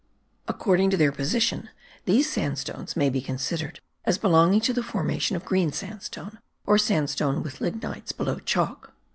According to their position these sandstones may be considered as belonging to the formation of green sandstone, or sandstone with lignites below chalk.